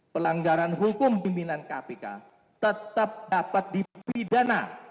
pelanggaran hukum pimpinan kpk tetap dapat dipidana